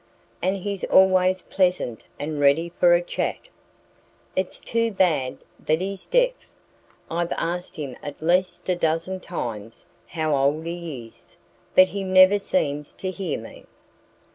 And he's always pleasant and ready for a chat. It's too bad that he's deaf. I've asked him at least a dozen times how old he is; but he never seems to hear me."